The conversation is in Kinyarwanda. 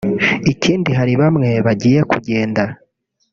ikindi hari bamwe bagiye kugenda